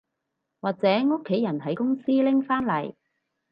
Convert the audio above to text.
或者屋企人喺公司拎返嚟